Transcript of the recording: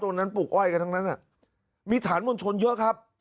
ตรงนั้นปลูกอ้อยกันทั้งนั้นมีฐานมวลชนเยอะครับ